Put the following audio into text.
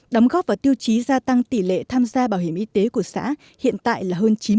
đóng góp vào tiêu chí gia tăng tỷ lệ tham gia bảo hiểm y tế của xã hiện tại là hơn chín mươi